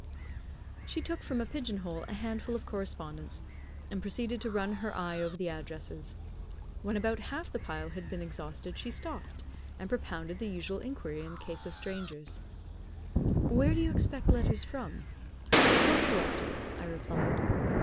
She took from a pigeon hole a handful of correspondence, and proceeded to run her eye over the addresses. When about half the pile had been exhausted she stopped, and propounded the usual inquiry in the case of strangers: "Where do you expect letters from?" "From Toronto," I replied.